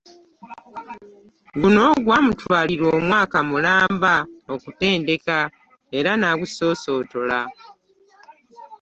Guno gwamutwalira omwaka mulamba okutendeka, era n’agusoosootola.